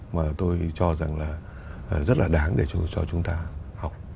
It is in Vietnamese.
mà tôi cho rằng là rất là đáng để cho chúng ta học